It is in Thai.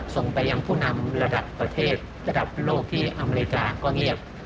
ส่งไปยังผู้นำระดับประเทศระดับโลกที่อเมริกาก็เงียบ